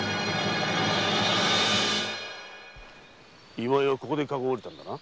今井はここで駕籠を降りたのだな？